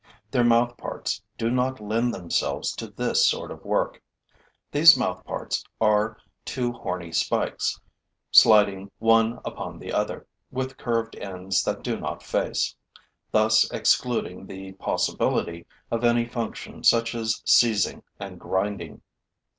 Their mouth parts do not lend themselves to this sort of work. These mouth parts are two horny spikes, sliding one upon the other, with curved ends that do not face, thus excluding the possibility of any function such as seizing and grinding.